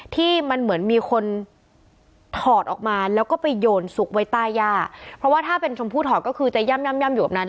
ที่มันเหมือนมีคนถอดออกมาแล้วก็ไปโยนซุกไว้ใต้ย่าเพราะว่าถ้าเป็นชมพู่ถอดก็คือจะย่ำย่ำย่ำอยู่แบบนั้น